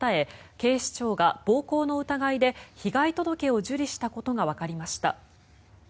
警視庁が暴行の疑いで被害届を受理したことがわかりました。